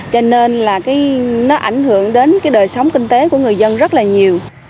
cho nên là nó ảnh hưởng đến đời sống kinh tế của người dân rất là nhiều